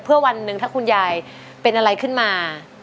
เพื่อวันหนึ่งถ้าคุณยายเป็นอะไรขึ้นมา